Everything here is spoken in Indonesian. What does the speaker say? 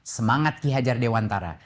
semangat ki hajar dewantara